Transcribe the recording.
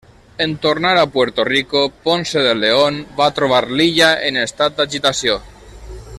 En tornar a Puerto Rico, Ponce de León va trobar l'illa en estat d'agitació.